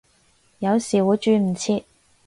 有時會轉唔切